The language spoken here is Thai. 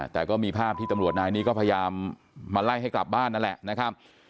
แต่ก็มีภาพที่ตำรวจนายนี้ก็พยายามมาไล่ให้กลับบ้านนั่นแหละนะครับ